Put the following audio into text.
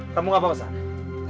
kamu apa apa sunny